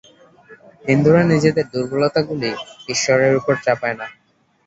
হিন্দুরা নিজেদের দুর্বলতাগুলি ঈশ্বরের উপর চাপায় না।